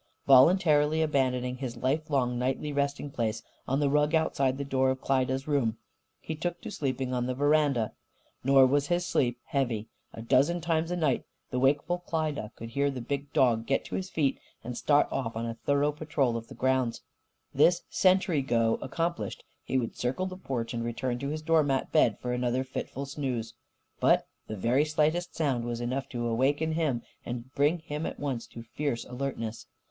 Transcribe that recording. Voluntarily abandoning his lifelong nightly resting place on the rug outside the door of Klyda's room, he took to sleeping on the veranda. Nor was his sleep heavy. A dozen times a night the wakeful Klyda could hear the big dog get to his feet and start off on a thorough patrol of the grounds. This sentry go accomplished, he would circle the porch and return to his doormat bed for another fitful snooze. But the very slightest sound was enough to awaken him and to bring him at once to fierce alertness.